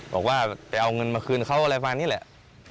บอกว่าจะเอาเงินมาคืนเขาอะไรประมาณนี้แหละ